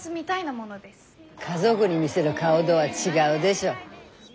家族に見せる顔とは違うでしょ。